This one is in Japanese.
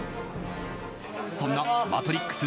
そんな「マトリックス」